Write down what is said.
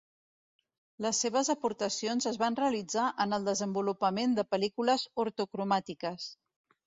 Les seves aportacions es van realitzar en el desenvolupament de pel·lícules ortocromàtiques.